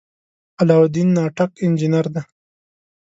علاالدین ناټک انجنیر دی.